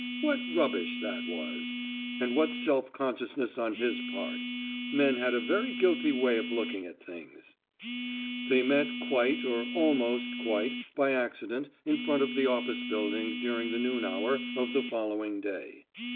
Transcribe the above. What rubbish that was. And what self consciousness on his part. Men had a very guilty way of looking at things. They met quite or almost quite by accident in front of the office building during the noon hour of the following day.